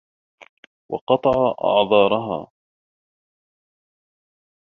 وَقَطَعَ أَعْذَارَهَا